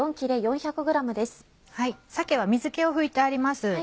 鮭は水気を拭いてあります。